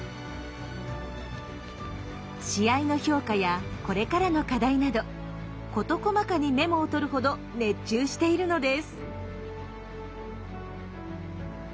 試合の評価やこれからの課題など事細かにメモをとるほど熱中しているのです。